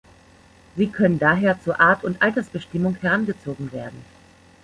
Sie können daher zur Art- und Altersbestimmung herangezogen werden.